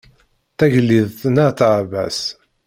Tagliḍt n at ɛebbas